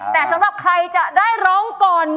แต่สำหรับใครจะได้ร้องก่อน